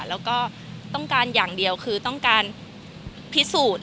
แล้วก็ต้องการอย่างเดียวคือต้องการพิสูจน์